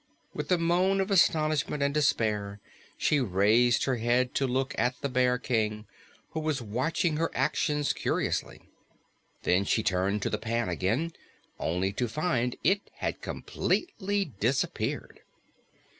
With a moan of astonishment and despair, she raised her head to look at the Bear King, who was watching her actions curiously. Then she turned to the pan again, only to find it had completely disappeared.